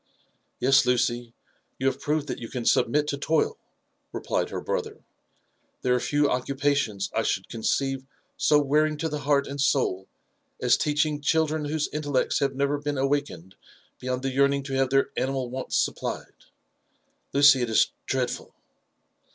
Yes, Lucy, you have proved that you can submit to toil,^' replied her brother. ^' There are few occupations I should conceive so wearing to the heart and soul as teaching children whose intellects have never been awakened beyond the yearning to have their animal wants supplied ;— ^Lucy, it is dreadful